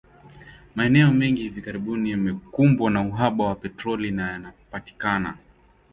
Maeneo mengi hivi karibuni yamekumbwa na uhaba wa petroli na yanapatikana